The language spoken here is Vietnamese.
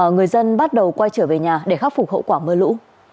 người dân bắt đầu quay trở về nhà để khắc phục hậu quả mưa lũ